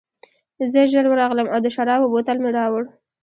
زه ژر ورغلم او د شرابو بوتل مې راوړ